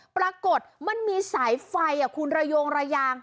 ปรากฏมันมีสายไฟคุณระโยงระยาง